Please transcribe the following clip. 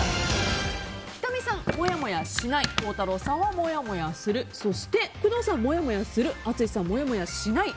仁美さん、もやもやしない孝太郎さんはもやもやするそして工藤さん、もやもやする淳さん、もやもやしない。